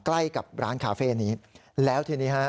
ใกล้กับร้านคาเฟ่นี้แล้วทีนี้ฮะ